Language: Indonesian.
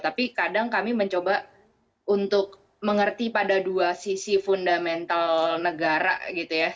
tapi kadang kami mencoba untuk mengerti pada dua sisi fundamental negara gitu ya